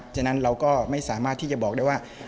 ฉะนั้นเราก็ไม่สามารถที่จะบอกได้ว่า